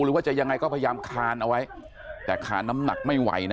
หรือว่าจะยังไงก็พยายามคานเอาไว้แต่คานน้ำหนักไม่ไหวนะ